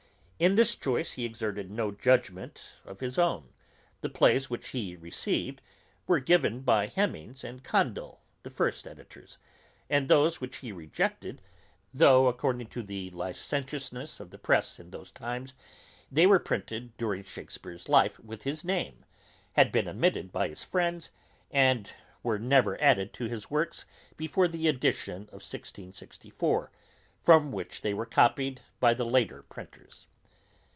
In this choice he exerted no judgement of his own; the plays which he received, were given by Hemings and Condel, the first editors; and those which he rejected, though, according to the licentiousness of the press in those times, they were printed during Shakespeare's life, with his name, had been omitted by his friends, and were never added to his works before the edition of 1664, from which they were copied by the later printers.